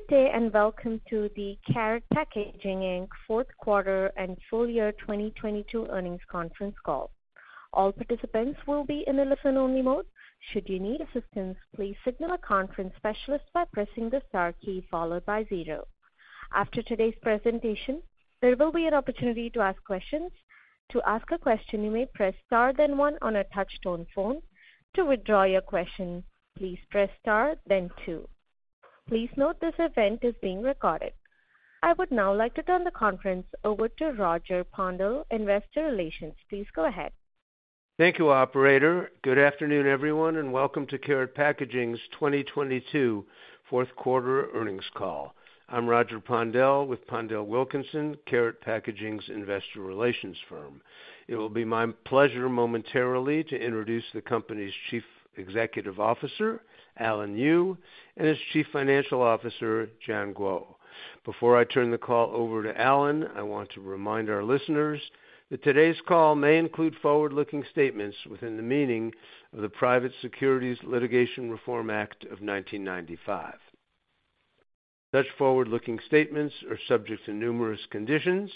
Good day. Welcome to the Karat Packaging Inc fourth quarter and full year 2022 earnings conference call. All participants will be in a listen-only mode. Should you need assistance, please signal a conference specialist by pressing the star key followed by zero. After today's presentation, there will be an opportunity to ask questions. To ask a question, you may press star then one on a touch-tone phone. To withdraw your question, please press star then two. Please note this event is being recorded. I would now like to turn the conference over to Roger Pondel, Investor Relations. Please go ahead. Thank you, operator. Good afternoon, everyone, welcome to Karat Packaging's 2022 fourth quarter earnings call. I'm Roger Pondel with PondelWilkinson, Karat Packaging's investor relations firm. It will be my pleasure momentarily to introduce the company's Chief Executive Officer, Alan Yu, and his Chief Financial Officer, Jian Guo. Before I turn the call over to Alan, I want to remind our listeners that today's call may include forward-looking statements within the meaning of the Private Securities Litigation Reform Act of 1995. Such forward-looking statements are subject to numerous conditions,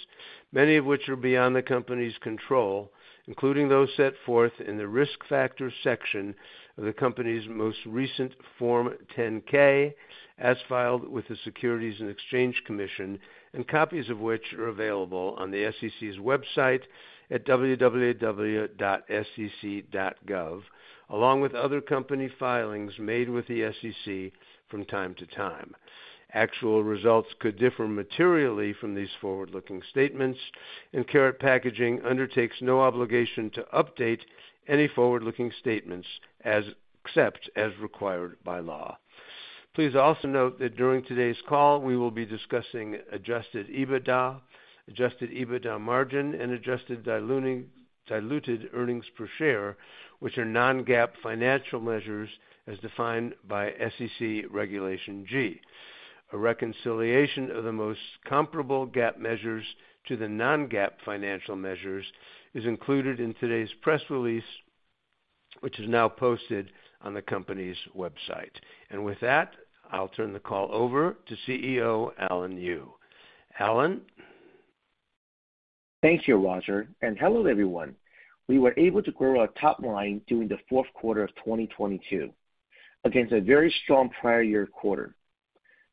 many of which are beyond the company's control, including those set forth in the Risk Factors section of the company's most recent Form 10-K, as filed with the Securities and Exchange Commission, copies of which are available on the SEC's website at www.sec.gov, along with other company filings made with the SEC from time to time. Actual results could differ materially from these forward-looking statements. Karat Packaging undertakes no obligation to update any forward-looking statements except as required by law. Please also note that during today's call, we will be discussing adjusted EBITDA, adjusted EBITDA margin, and adjusted diluted earnings per share, which are non-GAAP financial measures as defined by SEC Regulation G. A reconciliation of the most comparable GAAP measures to the non-GAAP financial measures is included in today's press release, which is now posted on the company's website. With that, I'll turn the call over to CEO, Alan Yu. Alan? Thank you, Roger. Hello, everyone. We were able to grow our top line during the fourth quarter of 2022 against a very strong prior year quarter,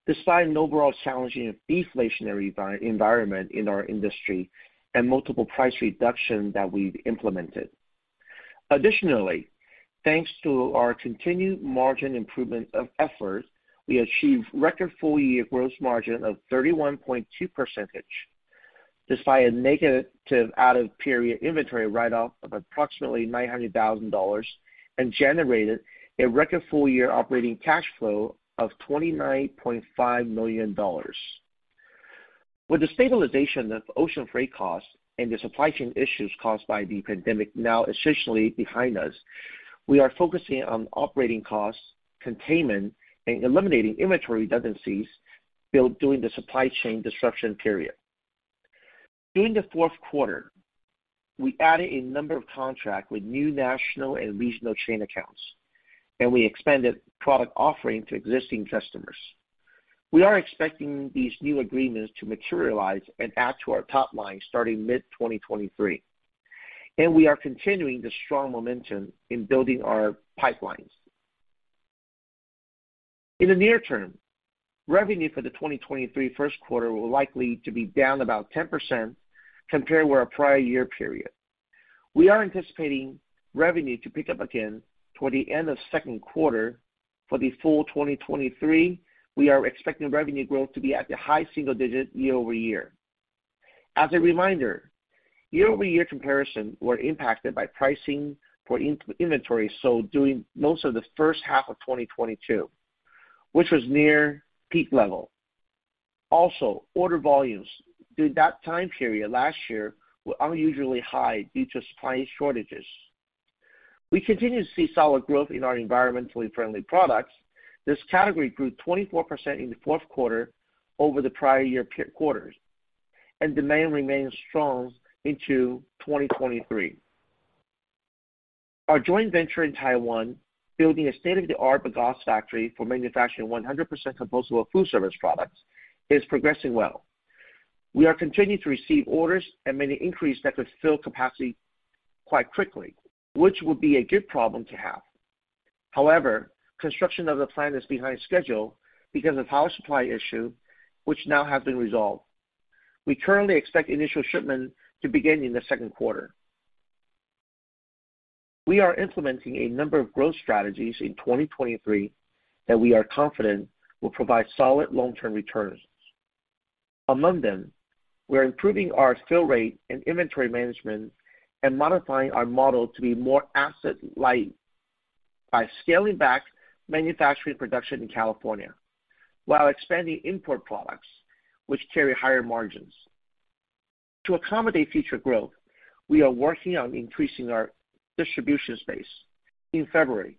despite an overall challenging deflationary environment in our industry and multiple price reductions that we've implemented. Additionally, thanks to our continued margin improvement efforts, we achieved record full-year gross margin of 31.2%, despite a negative out of period inventory write-off of approximately $900,000 and generated a record full-year operating cash flow of $29.5 million. With the stabilization of ocean freight costs and the supply chain issues caused by the pandemic now essentially behind us, we are focusing on operating costs, containment, and eliminating inventory redundancies built during the supply chain disruption period. During the fourth quarter, we added a number of contracts with new national and regional chain accounts, and we expanded product offering to existing customers. We are expecting these new agreements to materialize and add to our top line starting mid-2023, and we are continuing the strong momentum in building our pipelines. In the near term, revenue for the 2023 first quarter will likely to be down about 10% compared with our prior year period. We are anticipating revenue to pick up again toward the end of second quarter. For the full 2023, we are expecting revenue growth to be at the high single-digit year-over-year. As a reminder, year-over-year comparisons were impacted by pricing for inventory sold during most of the first half of 2022, which was near peak level. Order volumes during that time period last year were unusually high due to supply shortages. We continue to see solid growth in our eco-friendly products. This category grew 24% in the fourth quarter over the prior year quarters, and demand remains strong into 2023. Our joint venture in Taiwan, building a state-of-the-art bagasse factory for manufacturing 100% compostable food service products, is progressing well. We are continuing to receive orders and many inquiries that could fill capacity quite quickly, which would be a good problem to have. Construction of the plant is behind schedule because of power supply issue, which now has been resolved. We currently expect initial shipment to begin in the second quarter. We are implementing a number of growth strategies in 2023 that we are confident will provide solid long-term returns. Among them, we are improving our fill rate and inventory management and modifying our model to be more asset light by scaling back manufacturing production in California while expanding import products which carry higher margins. To accommodate future growth, we are working on increasing our distribution space. In February,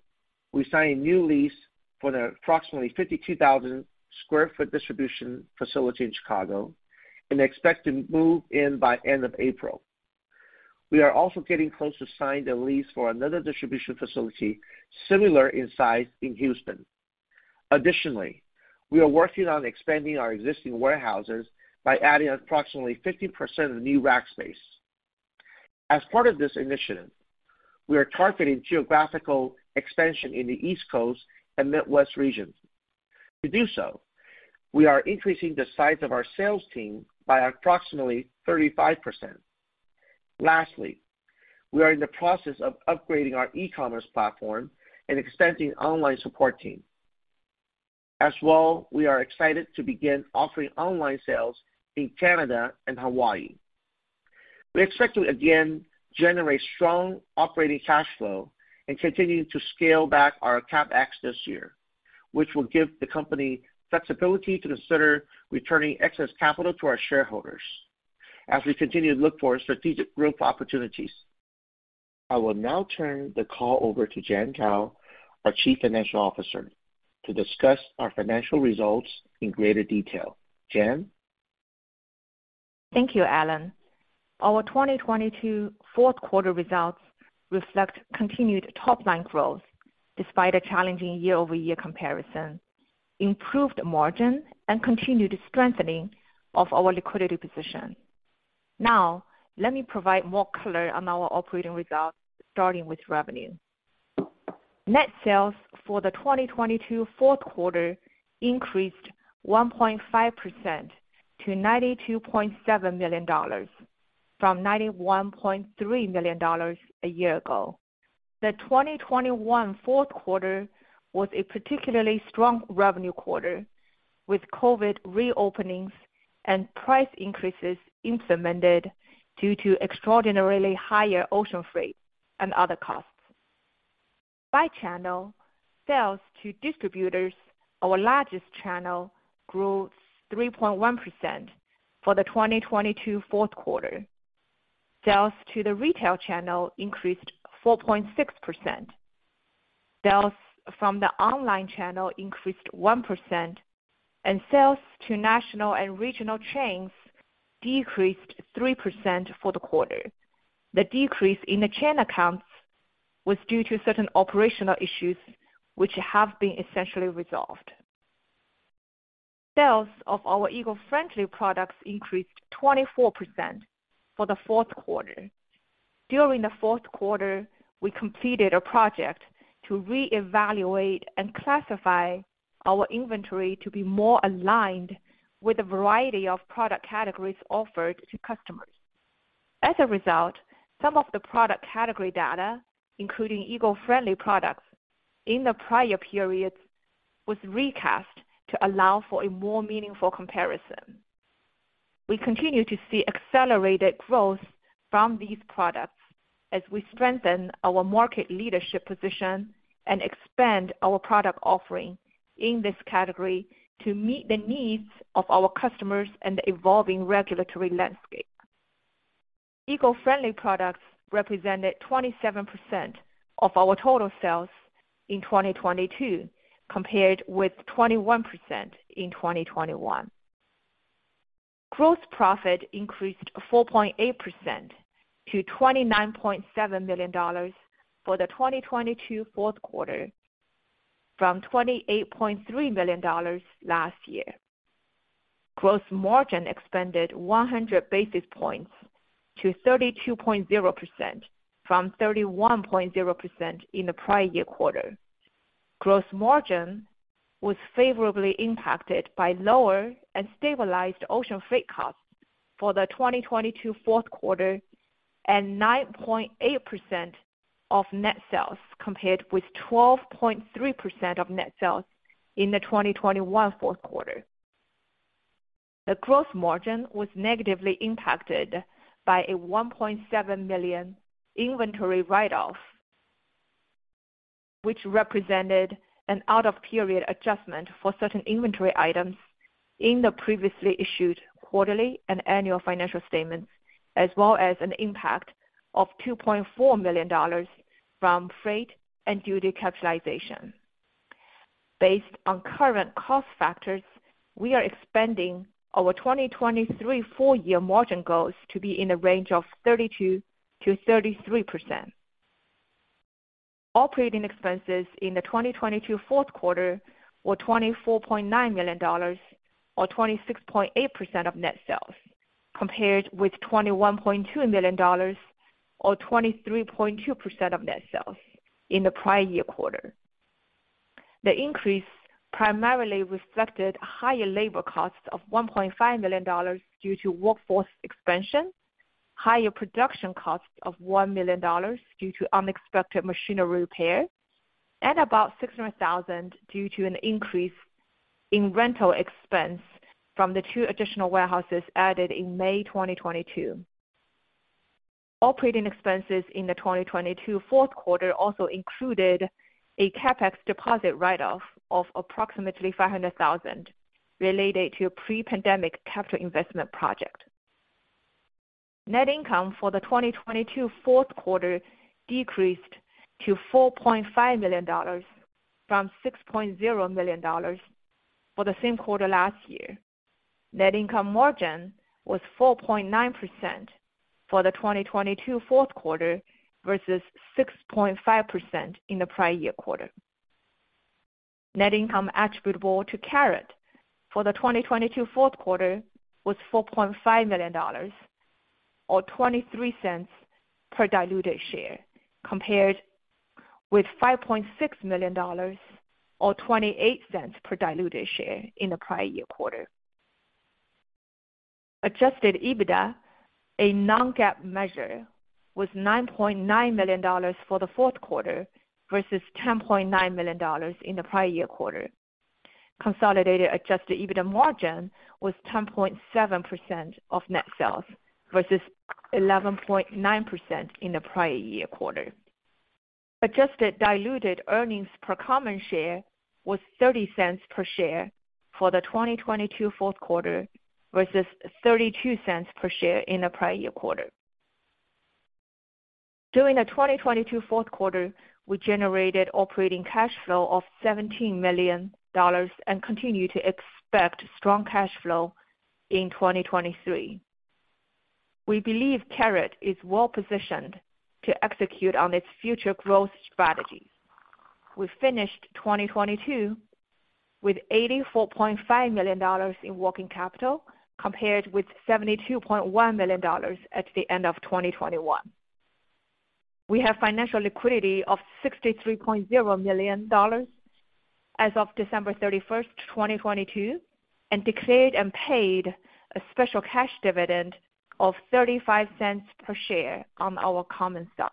we signed a new lease for the approximately 52,000 sq ft distribution facility in Chicago and expect to move in by end of April. We are also getting close to signing a lease for another distribution facility similar in size in Houston. Additionally, we are working on expanding our existing warehouses by adding approximately 50% of the new rack space. As part of this initiative, we are targeting geographical expansion in the East Coast and Midwest regions. To do so, we are increasing the size of our sales team by approximately 35%. Lastly, we are in the process of upgrading our e-commerce platform and expanding online support team. We are excited to begin offering online sales in Canada and Hawaii. We expect to again generate strong operating cash flow and continue to scale back our CapEx this year, which will give the company flexibility to consider returning excess capital to our shareholders as we continue to look for strategic growth opportunities. I will now turn the call over to Jian Guo, our Chief Financial Officer, to discuss our financial results in greater detail. Jian? Thank you, Alan. Our 2022 fourth quarter results reflect continued top line growth despite a challenging year-over-year comparison, improved margin, and continued strengthening of our liquidity position. Let me provide more color on our operating results, starting with revenue. Net sales for the 2022 fourth quarter increased 1.5% to $92.7 million from $91.3 million a year ago. The 2021 fourth quarter was a particularly strong revenue quarter, with COVID reopenings and price increases implemented due to extraordinarily higher ocean freight and other costs. By channel, sales to distributors, our largest channel, grew 3.1% for the 2022 fourth quarter. Sales to the retail channel increased 4.6%. Sales from the online channel increased 1%, sales to national and regional chains decreased 3% for the quarter. The decrease in the chain accounts was due to certain operational issues, which have been essentially resolved. Sales of our eco-friendly products increased 24% for the fourth quarter. During the fourth quarter, we completed a project to reevaluate and classify our inventory to be more aligned with the variety of product categories offered to customers. As a result, some of the product category data, including eco-friendly products in the prior periods, was recast to allow for a more meaningful comparison. We continue to see accelerated growth from these products as we strengthen our market leadership position and expand our product offering in this category to meet the needs of our customers and the evolving regulatory landscape. Eco-friendly products represented 27% of our total sales in 2022, compared with 21% in 2021. Gross profit increased 4.8% to $29.7 million for the 2022 fourth quarter from $28.3 million last year. Gross margin expanded 100 basis points to 32.0% from 31.0% in the prior year quarter. Gross margin was favorably impacted by lower and stabilized ocean freight costs for the 2022 fourth quarter and 9.8% of net sales, compared with 12.3% of net sales in the 2021 fourth quarter. The growth margin was negatively impacted by a $1.7 million inventory write-off, which represented an out of period adjustment for certain inventory items in the previously issued quarterly and annual financial statements, as well as an impact of $2.4 million from freight and duty capitalization. Based on current cost factors, we are expanding our 2023 full year margin goals to be in a range of 32%-33%. Operating expenses in the 2022 fourth quarter were $24.9 million or 26.8% of net sales, compared with $21.2 million or 23.2% of net sales in the prior year quarter. The increase primarily reflected higher labor costs of $1.5 million due to workforce expansion, higher production costs of $1 million due to unexpected machinery repair, and about $600,000 due to an increase in rental expense from the two additional warehouses added in May 2022. Operating expenses in the 2022 fourth quarter also included a CapEx deposit write-off of approximately $500,000 related to pre-pandemic capital investment project. Net income for the 2022 fourth quarter decreased to $4.5 million from $6.0 million for the same quarter last year. Net income margin was 4.9% for the 2022 fourth quarter versus 6.5% in the prior year quarter. Net income attributable to Karat for the 2022 fourth quarter was $4.5 million or $0.23 per diluted share, compared with $5.6 million or $0.28 per diluted share in the prior year quarter. Adjusted EBITDA, a non-GAAP measure, was $9.9 million for the fourth quarter versus $10.9 million in the prior year quarter. Consolidated adjusted EBITDA margin was 10.7% of net sales versus 11.9% in the prior year quarter. Adjusted diluted earnings per common share was $0.30 per share for the 2022 fourth quarter versus $0.32 per share in the prior year quarter. During the 2022 fourth quarter, we generated operating cash flow of $17 million and continue to expect strong cash flow in 2023. We believe Karat is well positioned to execute on its future growth strategies. We finished 2022 with $84.5 million in working capital compared with $72.1 million at the end of 2021. We have financial liquidity of $63.0 million as of December 31st, 2022, and declared and paid a special cash dividend of $0.35 per share on our common stock.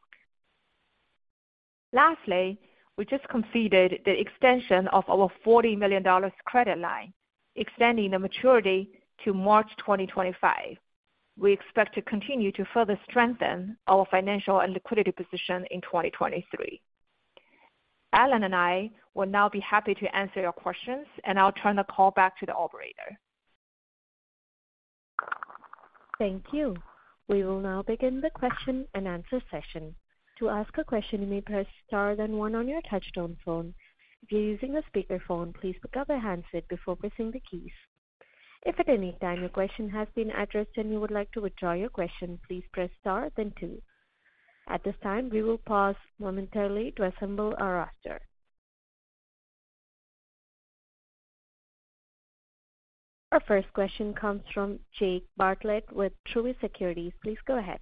Lastly, we just completed the extension of our $40 million credit line, extending the maturity to March 2025. We expect to continue to further strengthen our financial and liquidity position in 2023. Alan and I will now be happy to answer your questions. I'll turn the call back to the operator. Thank you. We will now begin the question-and-answer session. To ask a question, you may press star then one on your touch-tone phone. If you're using a speakerphone, please pick up a handset before pressing the keys. If at any time your question has been addressed and you would like to withdraw your question, please press star then two. At this time, we will pause momentarily to assemble our roster. Our first question comes from Jake Bartlett with Truist Securities. Please go ahead.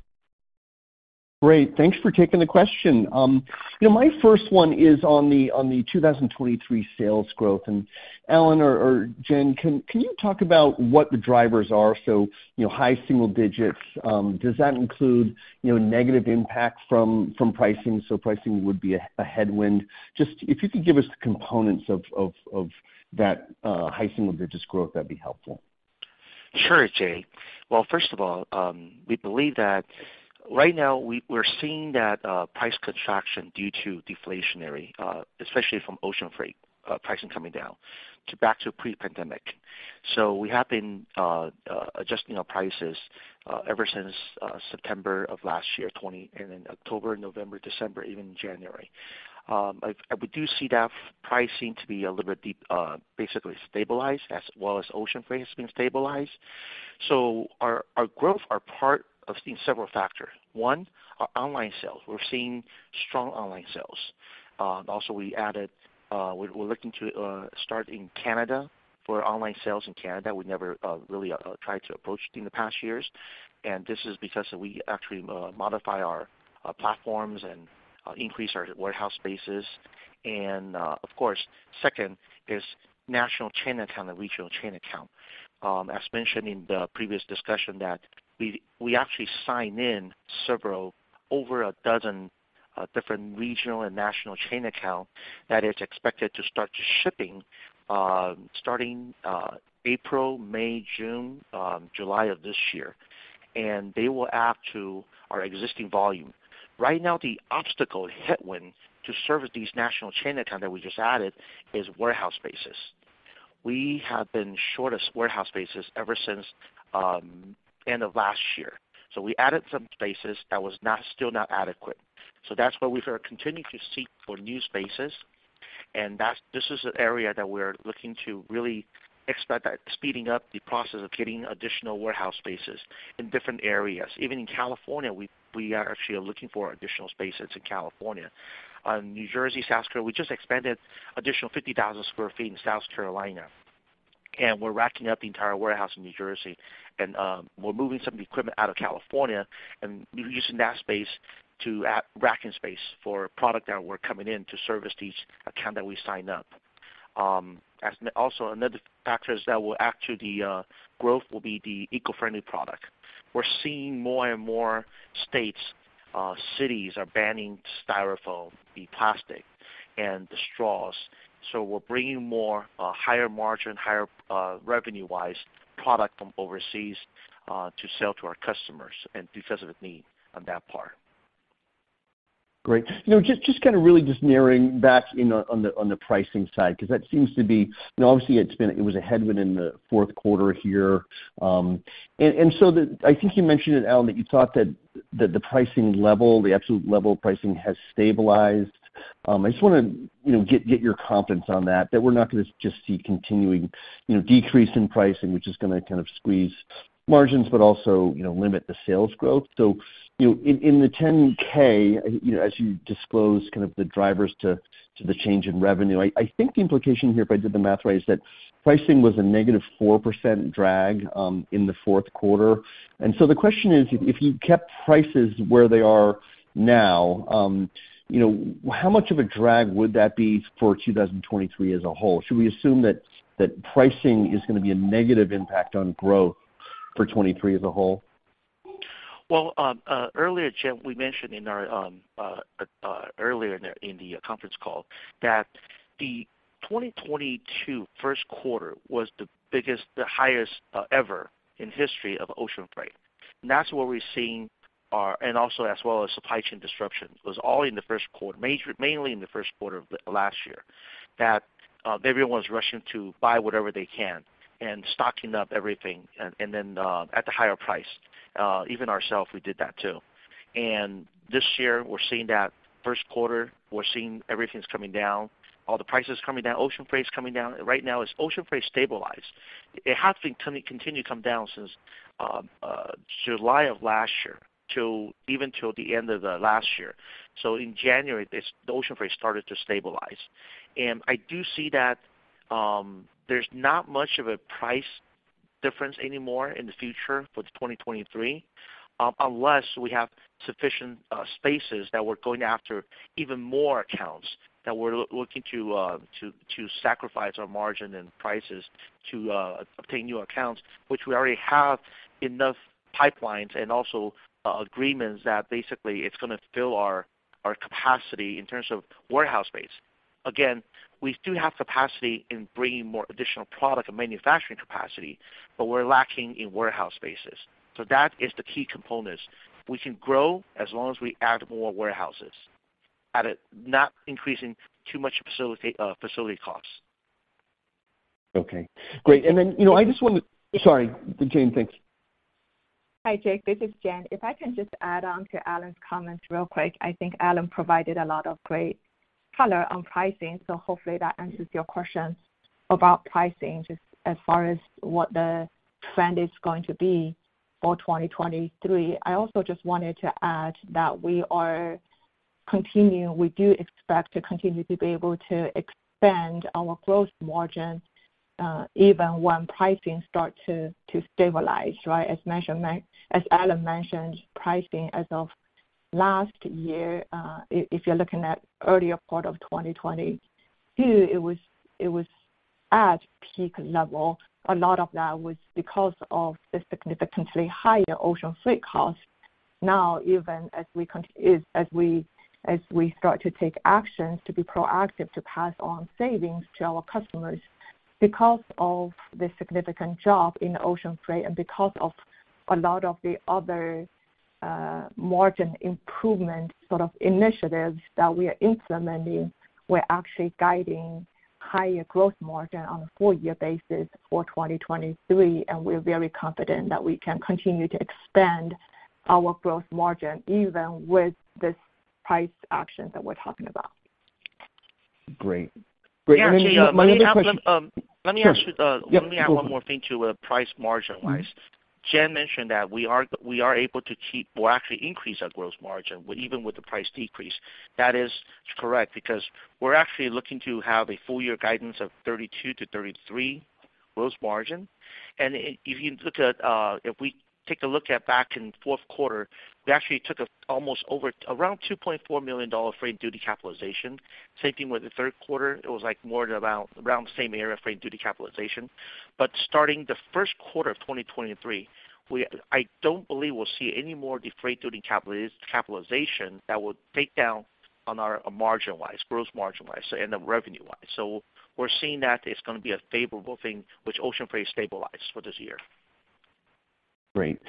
Great. Thanks for taking the question. you know, my first one is on the, on the 2023 sales growth. And Alan or Jian, can you talk about what the drivers are? You know, high single digits, does that include, you know, negative impact from pricing? Pricing would be a headwind. Just if you could give us the components of that high single digits growth, that'd be helpful. Sure, Jake. Well, first of all, we believe that right now we're seeing that price contraction due to deflationary, especially from ocean freight, pricing coming down to back to pre-pandemic. We have been adjusting our prices ever since September of last year, 2020, and then October, November, December, even January. We do see that pricing to be a little bit basically stabilized as well as ocean freight has been stabilized. Our growth are part of seeing several factors. One, our online sales. We're seeing strong online sales. Also, we added, we're looking to start in Canada for online sales in Canada. We never really tried to approach in the past years. This is because we actually modify our platforms and increase our warehouse spaces. Of course, second is national chain account and regional chain account. As mentioned in the previous discussion that we actually sign in several over a dozen different regional and national chain account that is expected to start shipping, starting April, May, June, July of this year. They will add to our existing volume. Right now, the obstacle headwind to service these national chain accounts that we just added is warehouse spaces. We have been short of warehouse spaces ever since end of last year. We added some spaces that was not, still not adequate. That's why we are continuing to seek for new spaces. That's this is an area that we're looking to really expect that speeding up the process of getting additional warehouse spaces in different areas. Even in California, we are actually looking for additional spaces in California. New Jersey, South Carolina, we just expanded additional 50,000 sq ft in South Carolina, and we're racking up the entire warehouse in New Jersey. We're moving some of the equipment out of California and reusing that space to a racking space for product that were coming in to service each account that we signed up. As also another factors that will actually growth will be the eco-friendly products. We're seeing more and more states, cities are banning Styrofoam, the plastic and the straws. We're bringing more, higher margin, higher, revenue-wise product from overseas to sell to our customers and because of the need on that part. Great. You know, just kinda really narrowing back in on the pricing side, because that seems to be, you know, obviously it was a headwind in the fourth quarter here. I think you mentioned it, Alan, that you thought that the pricing level, the absolute level of pricing has stabilized. I just wanna, you know, get your confidence on that we're not gonna just see continuing, you know, decrease in pricing, which is gonna kind of squeeze margins, but also, you know, limit the sales growth. You know, in the 10-K, you know, as you disclose kind of the drivers to the change in revenue, I think the implication here, if I did the math right, is that pricing was a -4% drag in the fourth quarter. The question is, if you kept prices where they are now, you know, how much of a drag would that be for 2023 as a whole? Should we assume that pricing is gonna be a negative impact on growth for 2023 as a whole? Well, earlier, Jake, we mentioned in our earlier in the conference call that the 2022 first quarter was the biggest, the highest, ever in history of ocean freight. That's what we're seeing and also as well as supply chain disruptions, was all in the first quarter, mainly in the first quarter of last year. That everyone was rushing to buy whatever they can and stocking up everything and then at the higher price. Even ourself, we did that too. This year, we're seeing that first quarter, we're seeing everything's coming down, all the prices coming down, ocean freights coming down. Right now, it's ocean freight stabilized. It has been continue to come down since July of last year till even till the end of the last year. In January, the ocean freight started to stabilize. I do see that there's not much of a price difference anymore in the future for 2023, unless we have sufficient spaces that we're going after even more accounts that we're looking to sacrifice our margin and prices to obtain new accounts, which we already have enough pipelines and also agreements that basically it's gonna fill our capacity in terms of warehouse space. Again, we do have capacity in bringing more additional product and manufacturing capacity, but we're lacking in warehouse spaces. That is the key components. We can grow as long as we add more warehouses at a not increasing too much facility costs. Okay, great. you know, I just wanted. Sorry, Jian. Thanks. Hi, Jake. This is Jian. If I can just add on to Alan's comments real quick. I think Alan provided a lot of great color on pricing, so hopefully that answers your questions about pricing just as far as what the trend is going to be for 2023. I also just wanted to add that we do expect to continue to be able to expand our gross margin even when pricing start to stabilize, right? As Alan mentioned, pricing as of last year, if you're looking at earlier part of 2022, it was at peak level. A lot of that was because of the significantly higher ocean freight costs. Now, even as we start to take actions to be proactive to pass on savings to our customers because of the significant drop in ocean freight and because of a lot of the other margin improvement sort of initiatives that we are implementing, we're actually guiding higher gross margin on a full year basis for 2023, and we're very confident that we can continue to expand our gross margin even with this price action that we're talking about. Great. My other question. Yeah, Jake, let me add some. Sure. Yeah, go for it. Let me ask you, let me add one more thing to, price margin-wise. Mm-hmm. Jian mentioned that we are able to keep or actually increase our gross margin even with the price decrease. That is correct because we're actually looking to have a full year guidance of 32%-33% gross margin. If you look at, if we take a look at back in fourth quarter, we actually took almost over around $2.4 million freight and duty capitalization. Same thing with the third quarter. It was, like, more at about, around the same area, freight and duty capitalization. Starting the first quarter of 2023, I don't believe we'll see any more of the freight and duty capitalization that would take down on our margin-wise, gross margin-wise and then revenue-wise. We're seeing that it's gonna be a favorable thing, which ocean freight stabilize for this year. Great.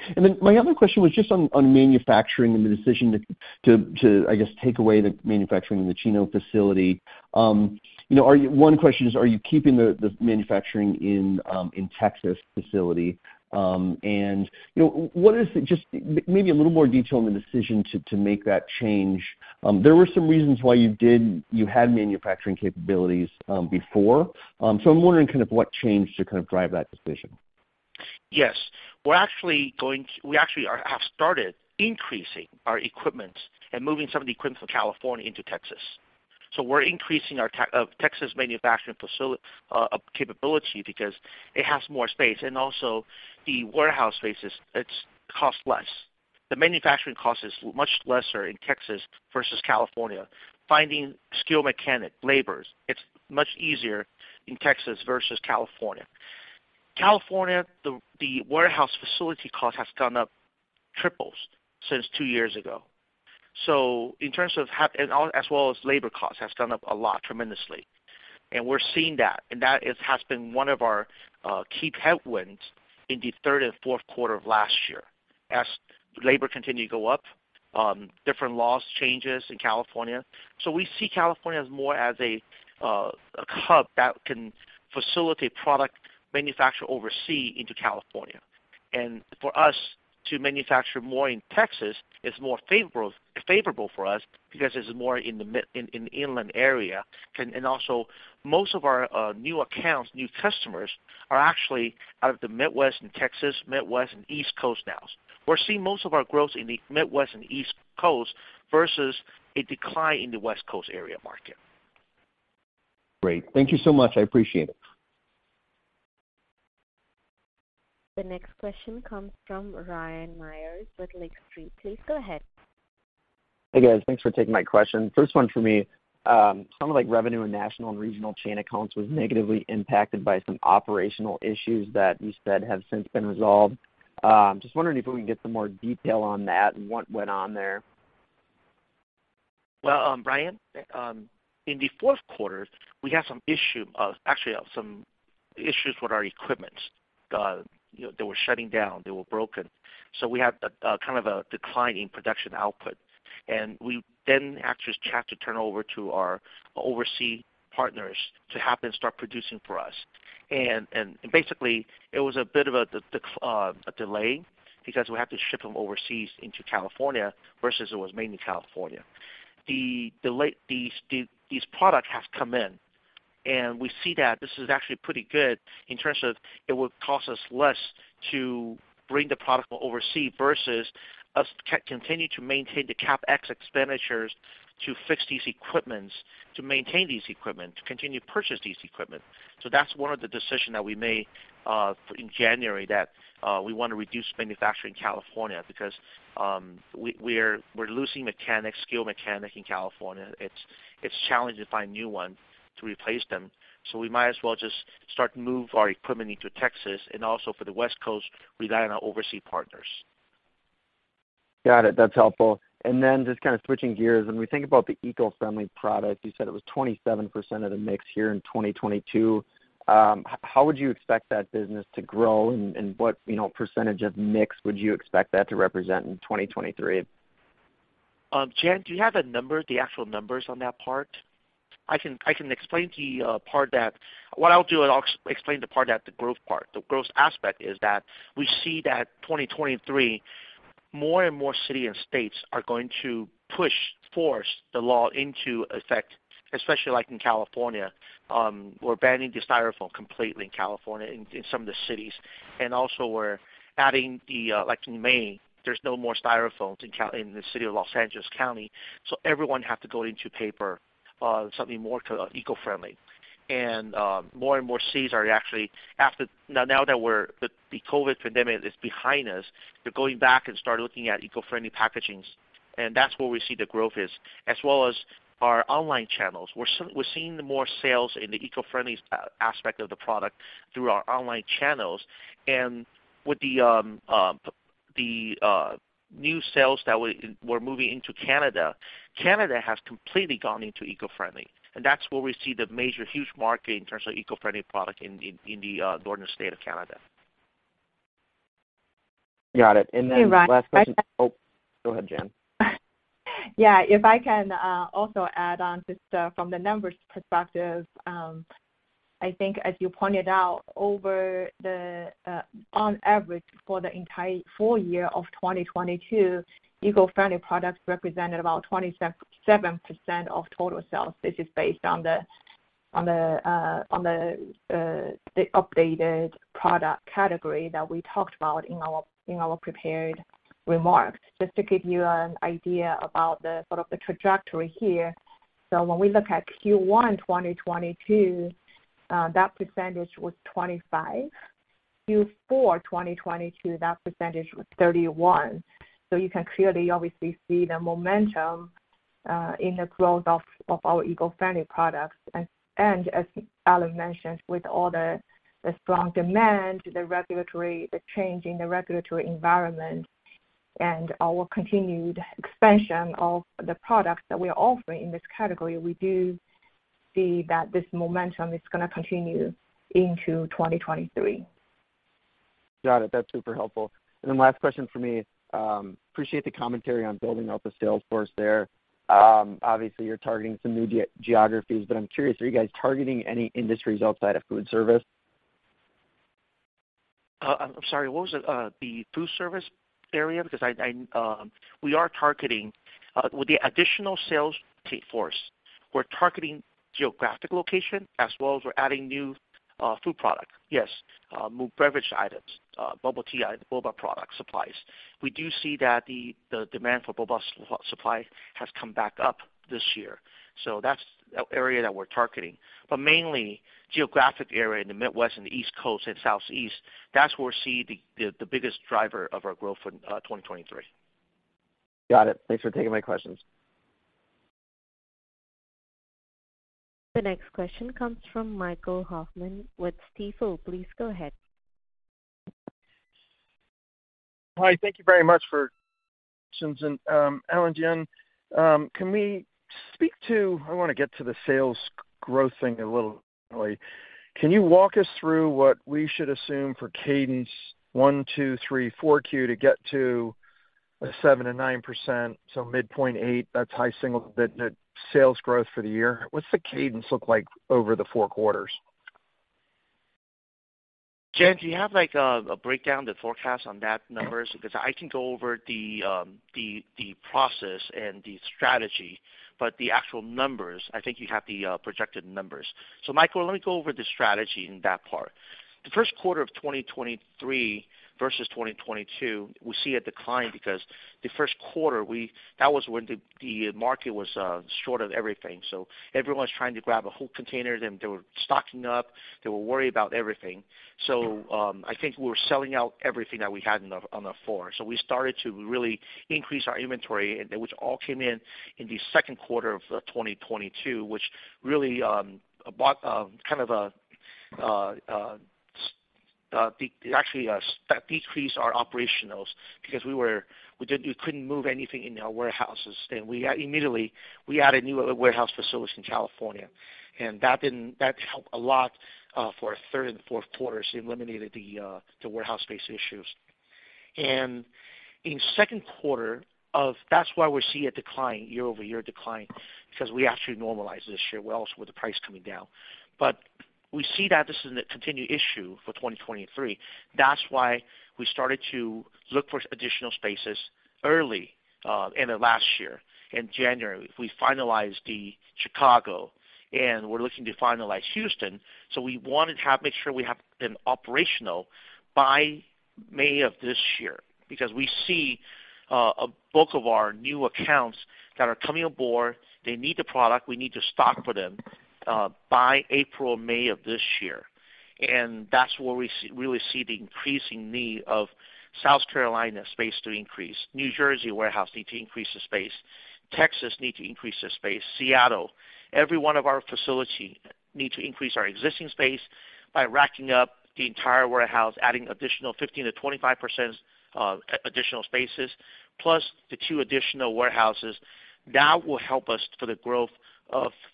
My other question was just on manufacturing and the decision to, I guess, take away the manufacturing in the Chino facility. You know, one question is, are you keeping the manufacturing in Texas facility? You know, what is it just maybe a little more detail on the decision to make that change. There were some reasons why you did. You had manufacturing capabilities before. I'm wondering kind of what changed to kind of drive that decision. Yes. We're actually, have started increasing our equipment and moving some of the equipment from California into Texas. We're increasing our Texas manufacturing capability because it has more space and also the warehouse spaces, it's cost less. The manufacturing cost is much lesser in Texas versus California. Finding skilled mechanic, laborers, it's much easier in Texas versus California. California, the warehouse facility cost has gone up triples since 2 years ago. In terms of as well as labor costs has gone up a lot tremendously. We're seeing that, and that is, has been one of our key headwinds in the third and fourth quarter of last year as labor continued to go up, different laws changes in California. We see California as more as a hub that can facilitate product manufacture overseas into California. For us to manufacture more in Texas is more favorable for us because it's more in the inland area. Also most of our new accounts, new customers are actually out of the Midwest and Texas, Midwest and East Coast now. We're seeing most of our growth in the Midwest and East Coast versus a decline in the West Coast area market. Great. Thank you so much. I appreciate it. The next question comes from Ryan Meyers with Lake Street. Please go ahead. Hey, guys. Thanks for taking my question. First one for me, it sounded like revenue in national and regional chain accounts was negatively impacted by some operational issues that you said have since been resolved. Just wondering if we can get some more detail on that and what went on there. Well, Brian, in the fourth quarter, we had actually some issues with our equipment. You know, they were shutting down, they were broken. We had a kind of a delay in production output. We then actually just had to turn over to our overseas partners to have them start producing for us. Basically, it was a bit of a delay because we have to ship them overseas into California versus it was made in California. The delay these products have come in, and we see that this is actually pretty good in terms of it would cost us less to bring the product from overseas versus us continue to maintain the CapEx expenditures to fix these equipments, to maintain these equipment, to continue to purchase these equipment. That's one of the decision that we made in January that we want to reduce manufacturing California because we're losing mechanics, skilled mechanics in California. It's challenging to find new ones to replace them. We might as well just start to move our equipment into Texas and also for the West Coast rely on our overseas partners. Got it. That's helpful. Just kind of switching gears. When we think about the eco-friendly products, you said it was 27% of the mix here in 2022. How would you expect that business to grow? What, you know, percentage of mix would you expect that to represent in 2023? Jian, do you have the numbers, the actual numbers on that part? I can explain. What I'll do is I'll explain the part that the growth part. The growth aspect is that we see that 2023, more and more city and states are going to push, force the law into effect, especially like in California, we're banning the Styrofoam completely in California in some of the cities. We're adding the, like in May, there's no more Styrofoam in the city of Los Angeles County, so everyone have to go into paper, something more eco-friendly. More and more cities are actually after. Now that the COVID pandemic is behind us, they're going back and start looking at eco-friendly packagings, and that's where we see the growth is, as well as our online channels. We're seeing the more sales in the eco-friendly aspect of the product through our online channels. With the new sales that we're moving into Canada has completely gone into eco-friendly, and that's where we see the major huge market in terms of eco-friendly product in the northern state of Canada. Got it. Last question. Hey, Ryan. Oh, go ahead, Jian. Yeah. If I can also add on just from the numbers perspective. I think as you pointed out over the on average for the entire full year of 2022, eco-friendly products represented about 27% of total sales. This is based on the updated product category that we talked about in our prepared remarks. Just to give you an idea about the sort of the trajectory here. When we look at Q1 2022, that percentage was 25. Q4 2022, that percentage was 31. You can clearly obviously see the momentum in the growth of our eco-friendly products. As Alan mentioned, with all the strong demand, the regulatory, the change in the regulatory environment and our continued expansion of the products that we are offering in this category, we do see that this momentum is gonna continue into 2023. Got it. That's super helpful. Last question for me. Appreciate the commentary on building out the sales force there. Obviously you're targeting some new geographies, but I'm curious, are you guys targeting any industries outside of foodservice? I'm sorry, what was it? The food service area, because I, we are targeting, with the additional sales force, we're targeting geographic location as well as we're adding new food product. Yes, new beverage items, bubble tea, boba product supplies. We do see that the demand for boba supply has come back up this year. That's a area that we're targeting. Mainly geographic area in the Midwest and the East Coast and Southeast, that's where we see the biggest driver of our growth in 2023. Got it. Thanks for taking my questions. The next question comes from Michael Hoffman with Stifel. Please go ahead. Hi. Thank you very much for. Alan, Jian, I wanna get to the sales growth thing a little. Can you walk us through what we should assume for cadence 1Q, 2Q, 3Q, 4Q to get to 7%-9%, so midpoint 8%, that's high single-digit sales growth for the year. What's the cadence look like over the four quarters? Jian, do you have like a breakdown, the forecast on that numbers? I can go over the process and the strategy, but the actual numbers, I think you have the projected numbers. Michael, let me go over the strategy in that part. The first quarter of 2023 versus 2022, we see a decline because the first quarter, we that was when the market was short of everything, so everyone's trying to grab a whole container. They were stocking up. They were worried about everything. I think we were selling out everything that we had on the floor. We started to really increase our inventory, and which all came in in the second quarter of 2022, which really actually decreased our operationals because we couldn't move anything in our warehouses. Then we immediately added new warehouse facilities in California. That helped a lot for our third and fourth quarters. It eliminated the warehouse space issues. That's why we see a decline, year-over-year decline, because we actually normalized this year. Well, with the price coming down. We see that this is a continued issue for 2023. That's why we started to look for additional spaces early in the last year. In January, we finalized Chicago, and we're looking to finalize Houston. We wanted to make sure we have been operational by May of this year, because we see a bulk of our new accounts that are coming aboard, they need the product. We need to stock for them by April or May of this year. That's where we really see the increasing need of South Carolina space to increase. New Jersey warehouse need to increase the space. Texas need to increase the space. Seattle. Every one of our facility need to increase our existing space by racking up the entire warehouse, adding additional 15%-25% additional spaces, plus the two additional warehouses. That will help us for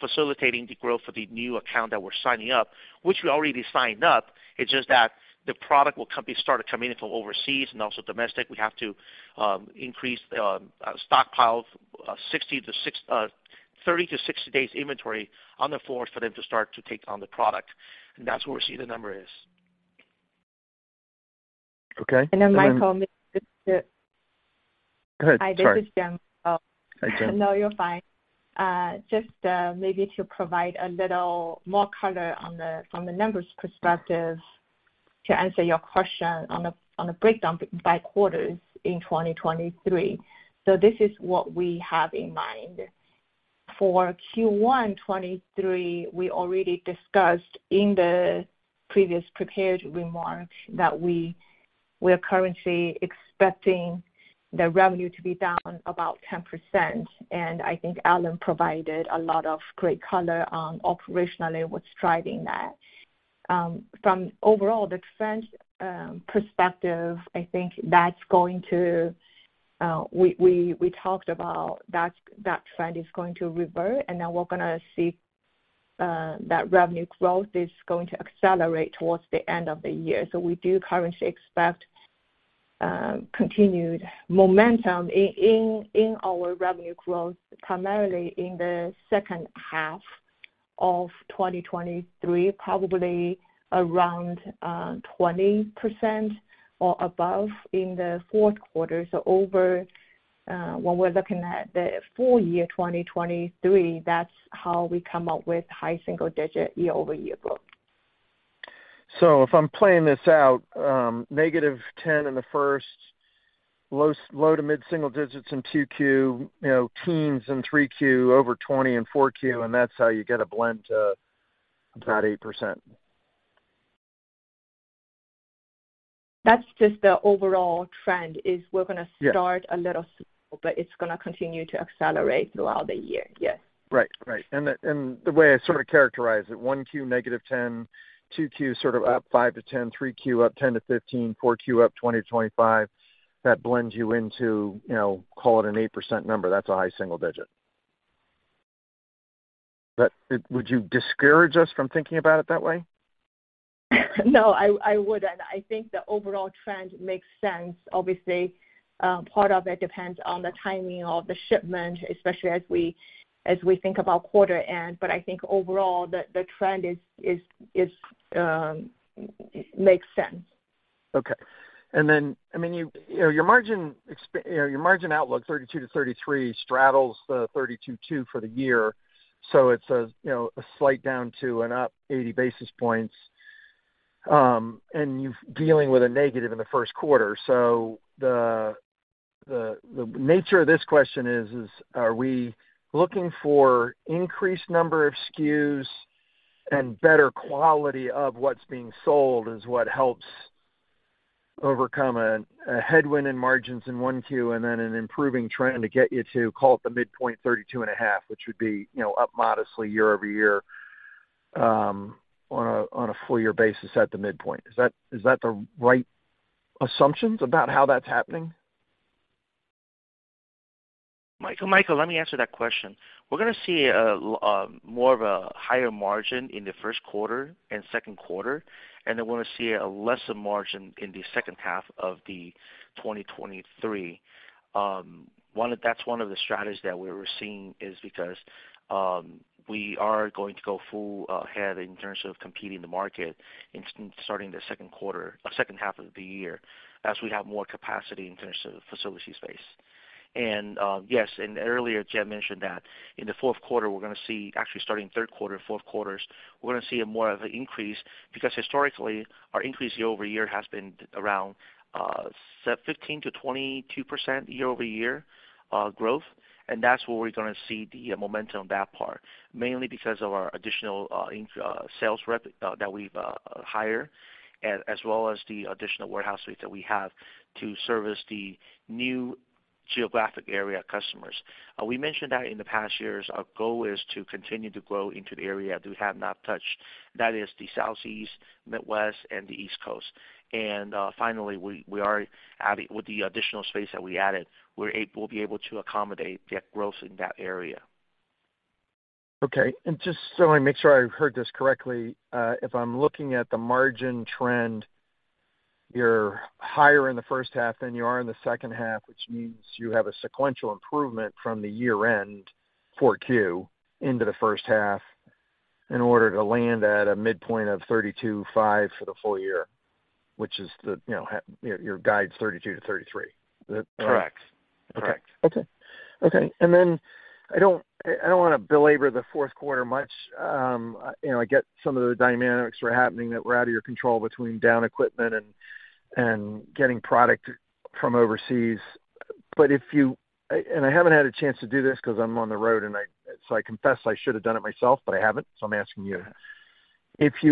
facilitating the growth of the new account that we're signing up, which we already signed up. It's just that the product will be started coming in from overseas and also domestic. We have to increase the stockpile, 30-60 days inventory on the floor for them to start to take on the product. That's where we see the number is. Okay. Michael, maybe just to. Go ahead. Sorry. Hi, this is Jian. Hi, Jian. No, you're fine. Just maybe to provide a little more color from the numbers perspective to answer your question on a breakdown by quarters in 2023. This is what we have in mind. For Q1 2023, we already discussed in the previous prepared remarks that we are currently expecting the revenue to be down about 10%. I think Alan provided a lot of great color on operationally what's driving that. From overall the trend perspective, I think that's going to, we talked about that trend is going to revert, we're gonna see that revenue growth is going to accelerate towards the end of the year. We do currently expect continued momentum in our revenue growth, primarily in the second half of 2023, probably around 20% or above in the fourth quarter. Over, when we're looking at the full year, 2023, that's how we come up with high single digit year-over-year growth. If I'm playing this out, -10% in the first, low to mid-single digits in 2Q, you know, teens in 3Q, over 20% in 4Q, and that's how you get a blend to about 8%. That's just the overall trend, is we're gonna. Yeah. Start a little, it's gonna continue to accelerate throughout the year. Yes. Right. Right. The way I sort of characterize it, 1Q -10%, 2Q sort of up 5%-10%, 3Q up 10%-15%, 4Q up 20%-25%. That blends you into, you know, call it an 8% number. That's a high single digit. Would you discourage us from thinking about it that way? I wouldn't. I think the overall trend makes sense. Obviously, part of it depends on the timing of the shipment, especially as we think about quarter end, I think overall, the trend is makes sense. Okay. Then, I mean, you know, your margin, you know, your margin outlook, 32%-33%, straddles the 32.2% for the year. It's a, you know, a slight down 2 basis points and up 80 basis points, and you're dealing with a negative in the first quarter. The nature of this question is are we looking for increased number of SKUs and better quality of what's being sold is what helps overcome a headwind in margins in 1Q and then an improving trend to get you to call it the midpoint 32.5%, which would be, you know, up modestly year-over-year on a full year basis at the midpoint? Is that the right assumptions about how that's happening? Michael, let me answer that question. We're gonna see a more of a higher margin in the first quarter and second quarter, and then we're gonna see a lesser margin in the second half of 2023. That's one of the strategies that we're seeing is because we are going to go full ahead in terms of competing the market in starting the second quarter or second half of the year as we have more capacity in terms of facility space. Yes, and earlier Jian mentioned that in the fourth quarter, we're gonna see. Actually, starting third quarter, fourth quarters, we're gonna see a more of an increase because historically, our increase year-over-year has been around 15%-22% year-over-year growth. That's where we're gonna see the momentum on that part, mainly because of our additional sales rep that we've hired as well as the additional warehouse space that we have to service the new geographic area customers. We mentioned that in the past years, our goal is to continue to grow into the area that we have not touched, that is the Southeast, Midwest, and the East Coast. Finally, we are adding, with the additional space that we added, we'll be able to accommodate the growth in that area. Okay. Just so I make sure I've heard this correctly, if I'm looking at the margin trend, you're higher in the first half than you are in the second half, which means you have a sequential improvement from the year end, 4.2%, into the first half in order to land at a midpoint of 32.5% for the full year, which is the your guide's 32%-33%. Is that correct? Correct. Correct. Okay. Okay. I don't, I don't wanna belabor the fourth quarter much. you know, I get some of the dynamics that are happening that were out of your control between down equipment and getting product from overseas. I haven't had a chance to do this 'cause I'm on the road, so I confess I should have done it myself, but I haven't, so I'm asking you. Let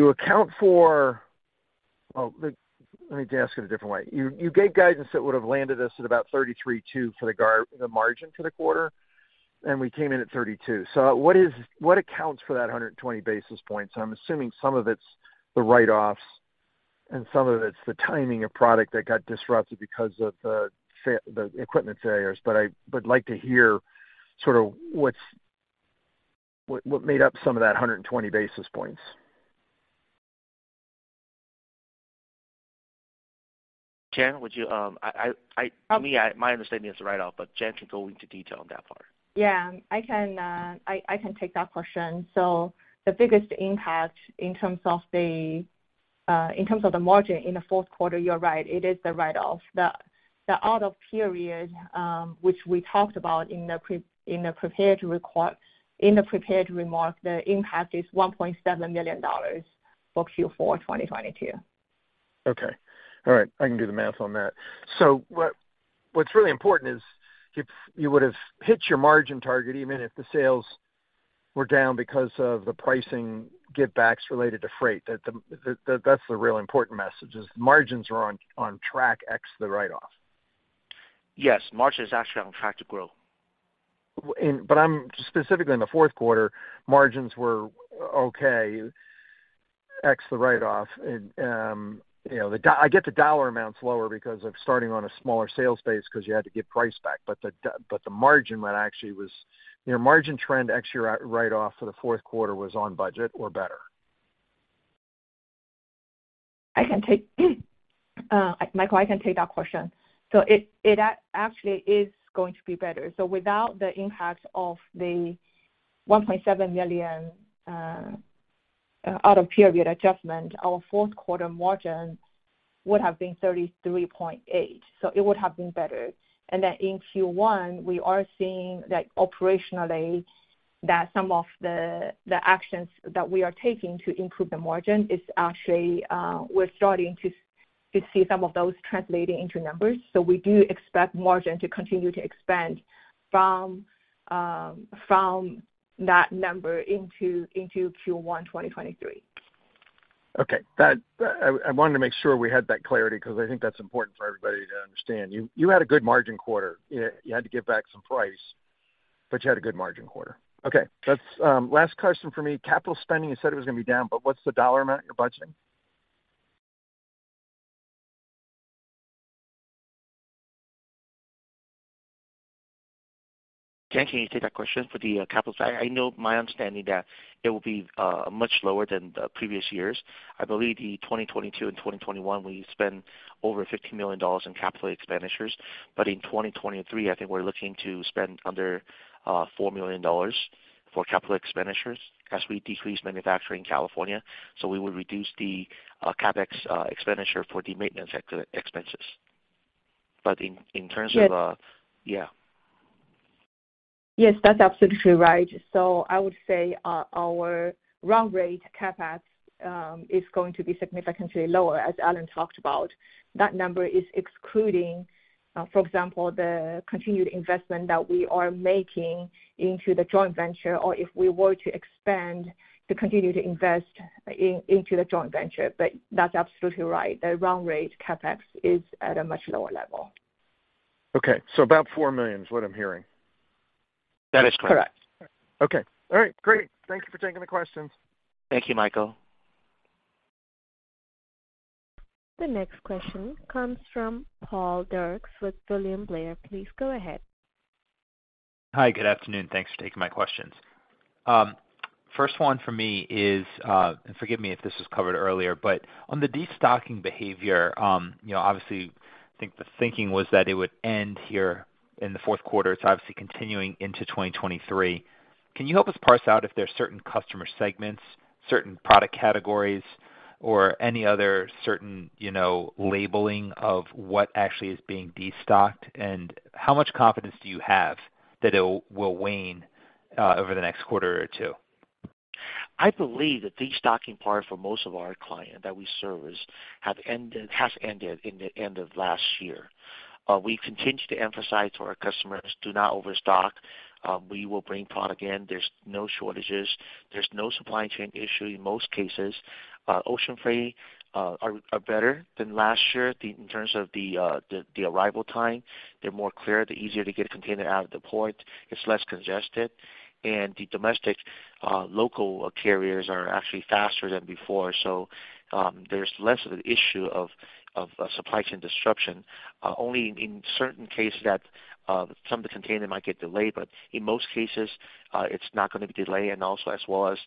me ask it a different way. You, you gave guidance that would've landed us at about 33.2% for the margin for the quarter, and we came in at 32%. What accounts for that 120 basis points? I'm assuming some of it's the write-offs, and some of it's the timing of product that got disrupted because of the equipment failures. I would like to hear sort of what made up some of that 120 basis points? I, to me, my understanding is the write-off, but Jian can go into detail on that part. I can take that question. The biggest impact in terms of the margin in the fourth quarter, you're right, it is the write-off. The out of period, which we talked about in the prepared remark, the impact is $1.7 million for Q4 2022. Okay. All right. I can do the math on that. What's really important is if you would've hit your margin target, even if the sales were down because of the pricing give backs related to freight, that's the real important message is margins are on track ex the write-off. Yes. Margin is actually on track to grow. Specifically in the fourth quarter, margins were okay ex the write-off. You know, I get the dollar amount's lower because of starting on a smaller sales base 'cause you had to give price back. The margin went actually was. You know, margin trend ex your write-off for the fourth quarter was on budget or better. Michael, I can take that question. It actually is going to be better. Without the impact of the $1.7 million out of period adjustment, our fourth quarter margin would have been 33.8%. It would have been better. In Q1, we are seeing that operationally that some of the actions that we are taking to improve the margin is actually, we're starting to see some of those translating into numbers. We do expect margin to continue to expand from that number into Q1 2023. I wanted to make sure we had that clarity 'cause I think that's important for everybody to understand. You had a good margin quarter. You had to give back some price, you had a good margin quarter. Okay. That's. Last question for me, capital spending, you said it was gonna be down, what's the dollar amount you're budgeting? Jian, can you take that question for the capital spending? I know my understanding that it will be much lower than the previous years. I believe the 2022 and 2021, we spent over $50 million in capital expenditures. In 2023, I think we're looking to spend under $4 million for capital expenditures as we decrease manufacturing in California. We will reduce the CapEx expenditure for the maintenance expenses. In terms of. Yes. Yeah. Yes, that's absolutely right. I would say our run rate CapEx is going to be significantly lower, as Alan talked about. That number is excluding, for example, the continued investment that we are making into the joint venture or if we were to expand to continue to invest into the joint venture. That's absolutely right. The run rate CapEx is at a much lower level. Okay. About $4 million is what I'm hearing. That is correct. Correct. Okay. All right. Great. Thank you for taking the questions. Thank you, Michael. The next question comes from Paul Dircks with William Blair. Please go ahead. Hi, good afternoon. Thanks for taking my questions. first one for me is, forgive me if this was covered earlier, but on the destocking behavior, you know, obviously, I think the thinking was that it would end here in the fourth quarter. It's obviously continuing into 2023. Can you help us parse out if there are certain customer segments, certain product categories or any other certain, you know, labeling of what actually is being destocked? How much confidence do you have that it will wane, over the next quarter or two? I believe that this stocking part for most of our clients that we service has ended in the end of last year. We continue to emphasize to our customers, do not overstock. We will bring product in. There's no shortages. There's no supply chain issue in most cases. Ocean freight are better than last year in terms of the arrival time. They're more clear. They're easier to get a container out of the port. It's less congested. The domestic local carriers are actually faster than before. There's less of an issue of supply chain disruption. Only in certain cases that some of the containers might get delayed, but in most cases, it's not gonna be delayed. Also as well as,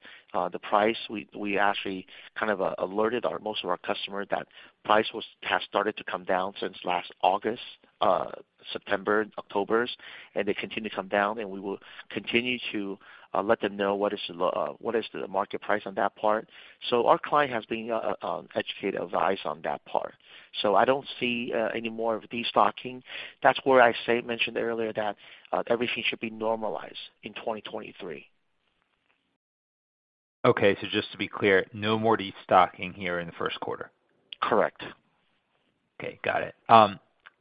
the price, we actually kind of alerted our most of our customers that price has started to come down since last August, September, Octobers, and they continue to come down, and we will continue to let them know what is the market price on that part. Our client has been educated, advised on that part. I don't see any more of destocking. That's where I say mentioned earlier that everything should be normalized in 2023. Okay, just to be clear, no more destocking here in the first quarter? Correct. Okay, got it.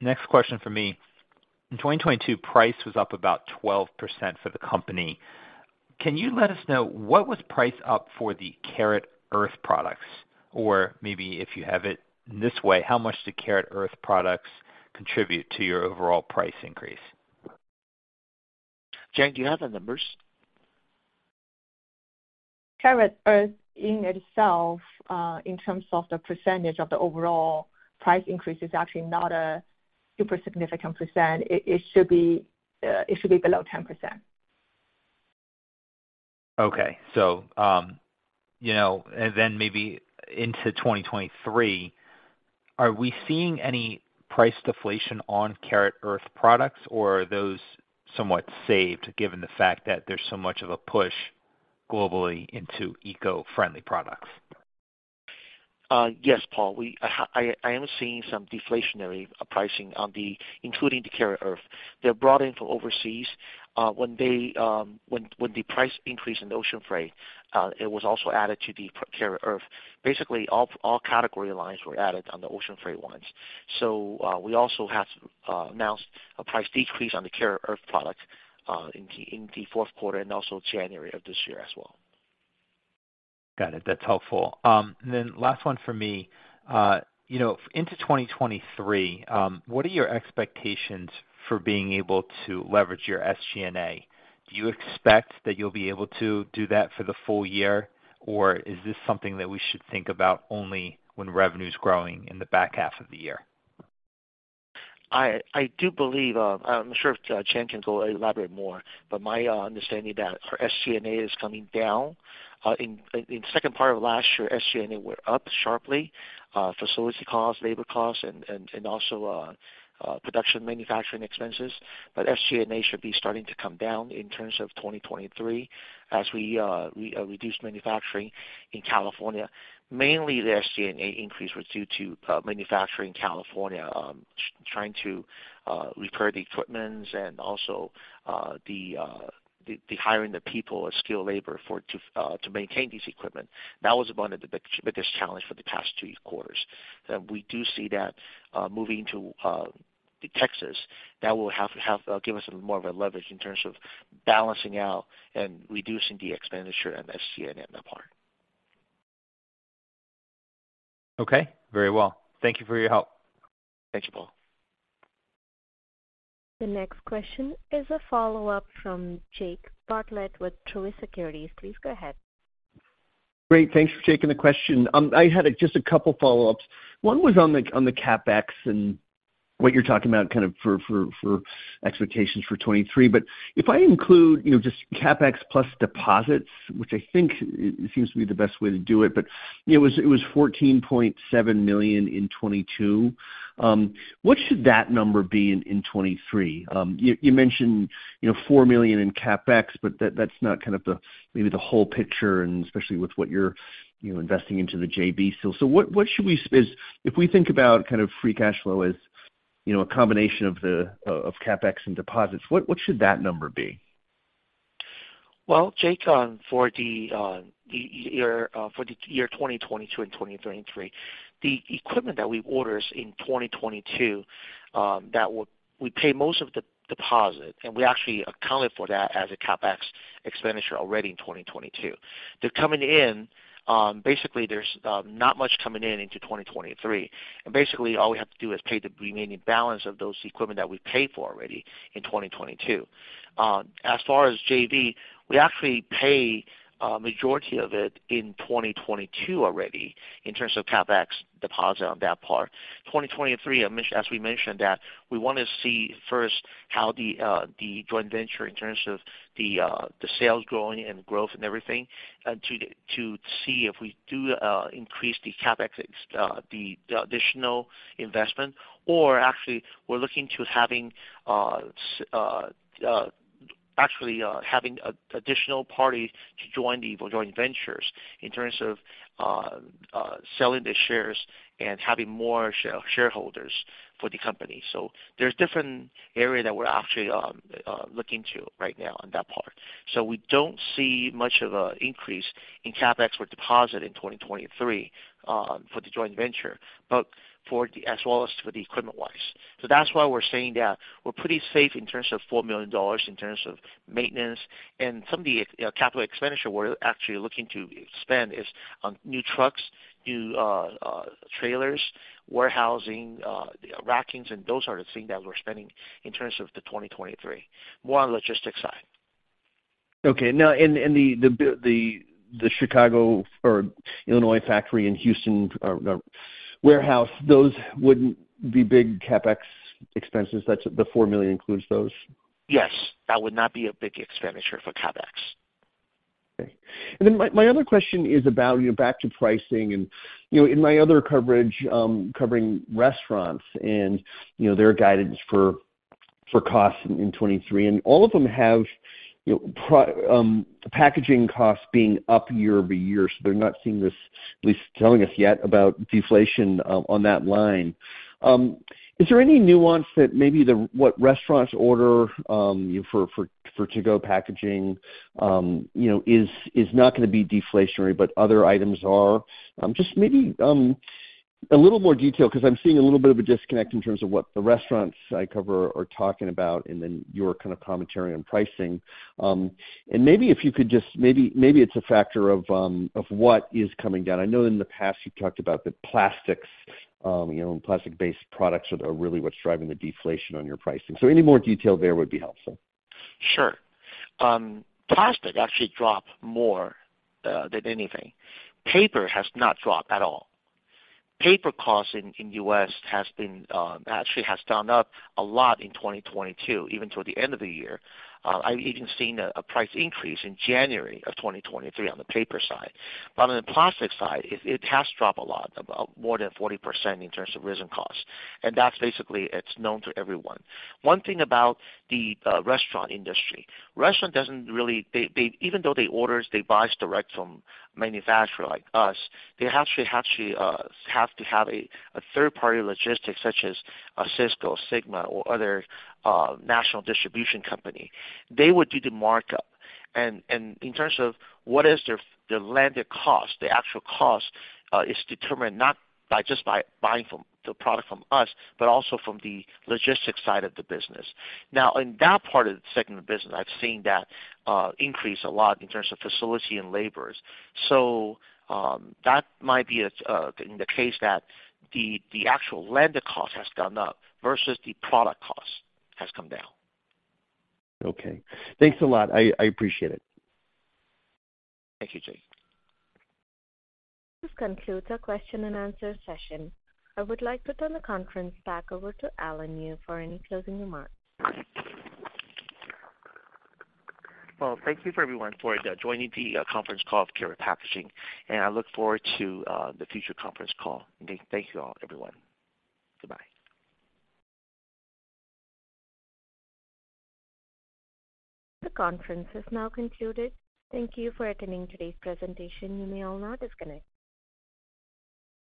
Next question for me. In 2022, price was up about 12% for the company. Can you let us know what was price up for the Karat Earth products? Or maybe if you have it in this way, how much the Karat Earth products contribute to your overall price increase? Jian, do you have the numbers? Karat Earth in itself, in terms of the percentage of the overall price increase is actually not a super significant percent. It should be, it should be below 10%. Okay. You know, maybe into 2023, are we seeing any price deflation on Karat Earth products, or are those somewhat saved given the fact that there's so much of a push globally into eco-friendly products? Yes, Paul. I am seeing some deflationary pricing on the including the Karat Earth. They're brought in from overseas. When they, when the price increase in the ocean freight, it was also added to the Karat Earth. Basically all category lines were added on the ocean freight ones. We also have announced a price decrease on the Karat Earth product in the fourth quarter and also January of this year as well. Got it. That's helpful. Last one for me. You know, into 2023, what are your expectations for being able to leverage your SG&A? Do you expect that you'll be able to do that for the full year, or is this something that we should think about only when revenue's growing in the back half of the year? I do believe, I'm sure if Jian can elaborate more, but my understanding that our SG&A is coming down. In second part of last year, SG&A went up sharply, facility costs, labor costs and also production manufacturing expenses. SG&A should be starting to come down in terms of 2023 as we reduce manufacturing in California. Mainly the SG&A increase was due to manufacturing California, trying to repair the equipment, and also the hiring the people or skilled labor to maintain these equipment. That was one of the biggest challenge for the past two quarters. We do see that, moving to, the Texas, that will have give us more of a leverage in terms of balancing out and reducing the expenditure and SG&A in that part. Okay, very well. Thank you for your help. Thank you, Paul. The next question is a follow-up from Jake Bartlett with Truist Securities. Please go ahead. Great. Thanks for taking the question. I had just a couple follow-ups. One was on the CapEx and what you're talking about kind of for expectations for 2023. If I include, you know, just CapEx plus deposits, which I think it seems to be the best way to do it, but, you know, it was $14.7 million in 2022. What should that number be in 2023? You mentioned, you know, $4 million in CapEx, but that's not kind of the maybe the whole picture and especially with what you're, you know, investing into the JV. What should we is if we think about kind of free cash flow as, you know, a combination of the CapEx and deposits, what should that number be? Well, Jake, for the, the year, for the year 2022 and 2023, the equipment that we orders in 2022, we pay most of the deposit, and we actually accounted for that as a CapEx expenditure already in 2022. They're coming in. Basically, there's not much coming in into 2023. Basically all we have to do is pay the remaining balance of those equipment that we paid for already in 2022. As far as JV, we actually paid a majority of it in 2022 already in terms of CapEx deposit on that part. 2023, as we mentioned that we wanna see first how the joint venture in terms of the sales growing and growth and everything, to see if we do increase the CapEx, the additional investment. Actually, we're looking to having additional party to join the joint ventures in terms of selling the shares and having more shareholders for the company. There's different area that we're actually looking to right now on that part. We don't see much of a increase in CapEx or deposit in 2023 for the joint venture, but for the, as well as for the equipment-wise. That's why we're saying that we're pretty safe in terms of $4 million, in terms of maintenance. Some of the capital expenditure we're actually looking to spend is on new trucks, new trailers, warehousing, rackings, and those are the things that we're spending in terms of the 2023, more on logistics side. Okay. Now, in the Chicago or Illinois factory in Houston or warehouse, those wouldn't be big CapEx expenses. That's the $4 million includes those? Yes. That would not be a big expenditure for CapEx. Okay. My other question is about, you know, back to pricing and, you know, in my other coverage, covering restaurants, you know, their guidance for costs in 2023. All of them have, you know, packaging costs being up year-over-year, so they're not seeing this, at least telling us yet about deflation on that line. Is there any nuance that maybe the what restaurants order, you know, for to-go packaging, you know, is not gonna be deflationary, but other items are? Just maybe a little more detail because I'm seeing a little bit of a disconnect in terms of what the restaurants I cover are talking about and then your kind of commentary on pricing. Maybe if you could just, maybe it's a factor of what is coming down. I know in the past you talked about the plastics, you know, and plastic-based products are really what's driving the deflation on your pricing. Any more detail there would be helpful. Sure. plastic actually dropped more than anything. Paper has not dropped at all. Paper costs in U.S. has been actually has gone up a lot in 2022, even toward the end of the year. I've even seen a price increase in January of 2023 on the paper side. But on the plastic side, it has dropped a lot, more than 40% in terms of resin costs. That's basically, it's known to everyone. One thing about the restaurant industry. Restaurant doesn't really. Even though they orders, they buys direct from manufacturer like us, they actually have to have a third-party logistics, such as a Sysco, SYGMA, or other national distribution company. They would do the markup. In terms of what is their landed cost, the actual cost is determined not just by buying the product from us, but also from the logistics side of the business. In that part of the segment of business, I've seen that increase a lot in terms of facility and labor. That might be a indicate that the actual landed cost has gone up versus the product cost has come down. Okay. Thanks a lot. I appreciate it. Thank you, Jay. This concludes our question and answer session. I would like to turn the conference back over to Alan Yu for any closing remarks. Well, thank you for everyone for joining the conference call of Karat Packaging. I look forward to the future conference call. Again, thank you all, everyone. Goodbye. The conference is now concluded. Thank you for attending today's presentation. You may all now disconnect.